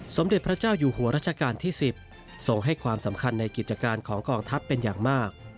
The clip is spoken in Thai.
สมเด็จพระเจ้าอยู่หัวรัชกาลที่๑๐ทรงให้ความสำคัญในกิจการของกองทัพเป็นอย่างมาก